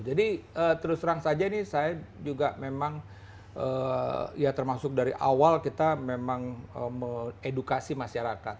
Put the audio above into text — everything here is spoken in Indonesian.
jadi terus terang saja ini saya juga memang ya termasuk dari awal kita memang me edukasi masyarakat